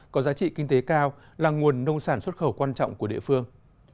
có giá trị kinh tế cao là nguồn nông sản xuất khẩu quan trọng của địa phương